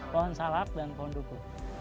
pohon salak dan pohon duku